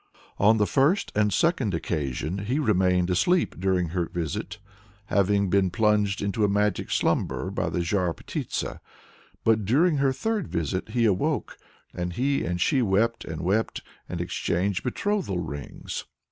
On the first and second occasion he remained asleep during her visit, having been plunged into a magic slumber by the Zhar Ptitsa. But during her third visit he awoke, "and he and she wept and wept, and exchanged betrothal rings."